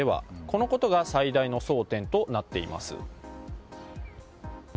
このことが最大の争点となっています。